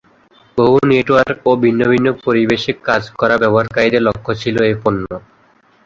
বহু নেটওয়ার্ক ও ভিন্ন ভিন্ন পরিবেশে কাজ করা ব্যবহারকারীদের লক্ষ্য ছিলো এ পণ্য।